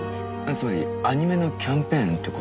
つまりアニメのキャンペーンって事？